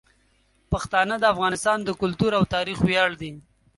پښتانه د افغانستان د کلتور او تاریخ ویاړ دي.